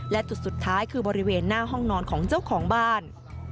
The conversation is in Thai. และจุดสุดท้ายคือบริเวณหน้าห้องนอนของเจ้าของบ้าน